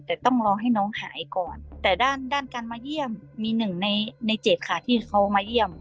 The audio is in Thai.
แต่ต้องรอให้น้องหายก่อนแต่ด้านด้านการมาเยี่ยมมีหนึ่งในในเจ็ดค่ะที่เขามาเยี่ยม